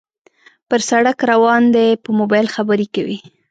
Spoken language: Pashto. پر سړک روان دى په موبایل خبرې کوي